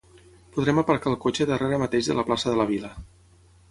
podrem aparcar el cotxe darrere mateix de la plaça de la Vila